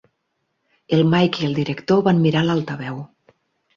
El Mike i el director van mirar a l'altaveu.